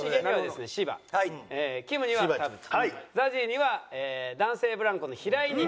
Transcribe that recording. ＺＡＺＹには男性ブランコの平井に。